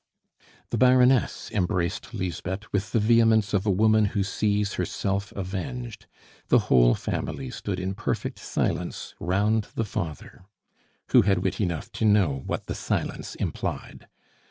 The Baroness embraced Lisbeth with the vehemence of a woman who sees herself avenged. The whole family stood in perfect silence round the father, who had wit enough to know what that silence implied.